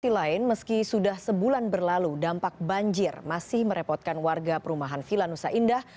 selain meski sudah sebulan berlalu dampak banjir masih merepotkan warga perumahan vila nusa indah